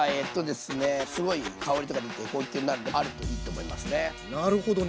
すごい香りとか出て高級になるんであるといいと思いますね。